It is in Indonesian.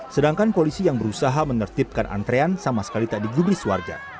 sedangkan polisi yang berusaha menertipkan antrean sama sekali tak digubri sewarja